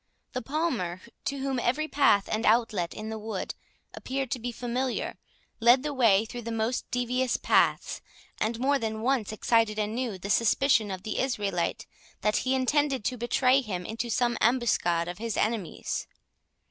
The Palmer, to whom every path and outlet in the wood appeared to be familiar, led the way through the most devious paths, and more than once excited anew the suspicion of the Israelite, that he intended to betray him into some ambuscade of his enemies.